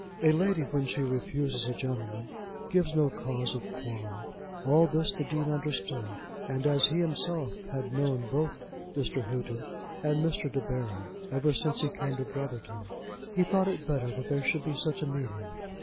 A lady when she refuses a gentleman gives no cause of quarrel. All this the Dean understood; and as he himself had known both Mr. Houghton and Mr. De Baron ever since he came to Brotherton, he thought it better that there should be such a meeting.